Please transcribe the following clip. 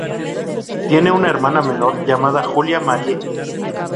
Tiene una hermana menor llamada Julia Marie.